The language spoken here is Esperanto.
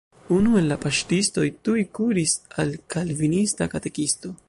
Unu el la paŝtistoj tuj kuris al kalvinista katekisto.